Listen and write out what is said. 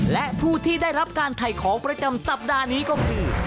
และผู้ที่ได้รับการถ่ายของประจำสัปดาห์นี้ก็คือ